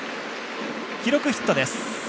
記録、ヒットです。